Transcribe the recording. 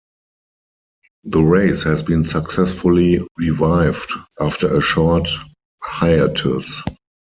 The race has been successfully revived after a short hiatus.